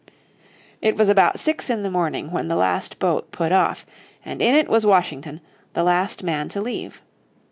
It was about six in the morning when the last boat put off, and in it was Washington, the last man to leave.